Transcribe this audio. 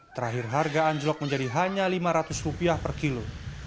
terakhir harga anjlok menjadi hanya lima ratus per kilo